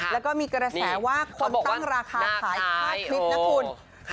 แล้วก็มีกระแสว่าคนตั้งราคาขายค่าคลิปนะคุณ